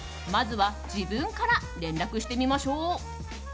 まずは自分から連絡してみましょう。